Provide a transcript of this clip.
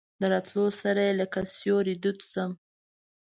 د راتلو سره یې لکه سیوری دود شم.